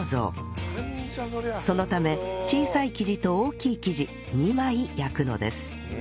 そのため小さい生地と大きい生地２枚焼くのです